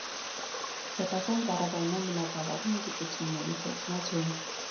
Պետական կառավարման բնագավառում գիտությունների թեկնածու։